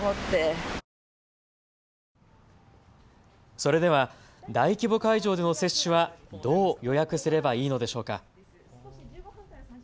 それでは大規模会場での接種はどう予約すればいいのでしょうか。